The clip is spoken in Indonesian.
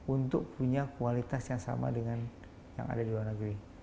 untuk punya kualitas yang sama dengan yang ada di luar negeri